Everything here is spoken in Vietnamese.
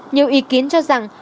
nhiều ý kiến cho rằng